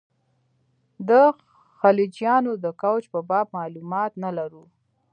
د خلجیانو د کوچ په باب معلومات نه لرو.